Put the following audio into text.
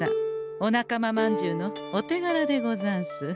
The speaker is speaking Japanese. お仲間まんじゅうのお手がらでござんす。